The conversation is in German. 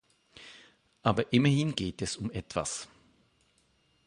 Aber immerhin geht es um etwas.